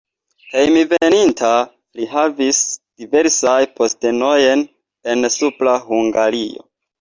Hejmenveninta li havis diversajn postenojn en Supra Hungarujo.